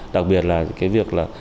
đặc biệt là cái việc là